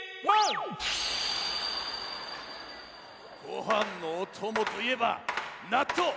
ごはんのおともといえばなっとう！